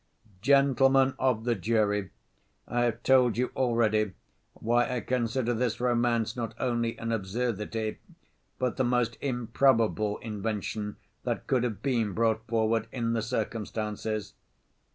"Gentlemen of the jury, I have told you already why I consider this romance not only an absurdity, but the most improbable invention that could have been brought forward in the circumstances.